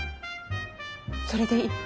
それでいい。